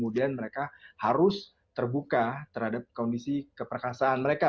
dan mereka harus terbuka terhadap kondisi keperkasaan mereka